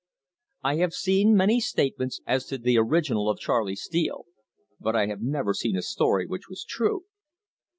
I have seen many statements as to the original of Charley Steele, but I have never seen a story which was true.